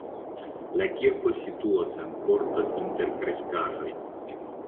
La kirko situas en korto inter kreskaĵoj.